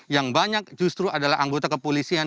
yang banyak justru adalah anggota kepolisian